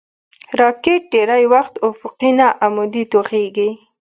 راکټ ډېری وخت افقي نه، عمودي توغېږي